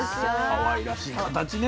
かわいらしい形ねこれ。